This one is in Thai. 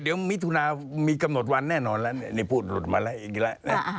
เดี๋ยวมิถุนามีกำหนดวันแน่นอนแล้วนี่พูดหลุดมาแล้วอย่างนี้แล้วนะ